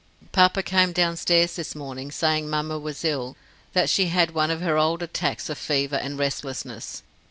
"Papa came downstairs this morning, saying mamma was ill, that she had one of her old attacks of fever and restlessness.